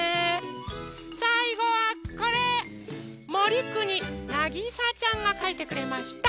さいごはこれ！もりくになぎさちゃんがかいてくれました。